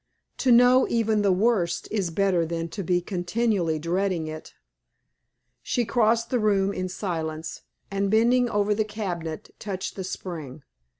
To know even the worst is better than to be continually dreading it." She crossed the room in silence, and bending over the cabinet touched the spring.